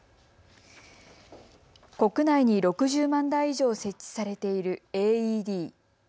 国内に６０万台以上設置されているＡＥＤ。